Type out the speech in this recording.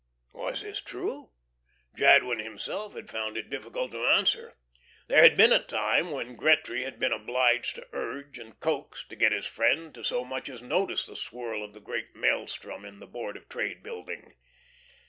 Was this true? Jadwin himself had found it difficult to answer. There had been a time when Gretry had been obliged to urge and coax to get his friend to so much as notice the swirl of the great maelstrom in the Board of Trade Building.